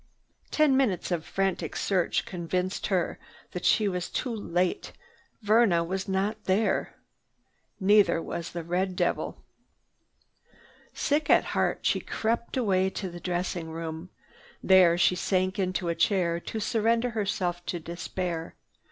Ten minutes of frantic search convinced her that she was too late. Verna was not there. Neither was the red devil. Sick at heart, she crept away to the dressing room. There she sank into a chair to surrender herself to despair.